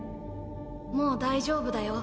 もう大丈夫だよ。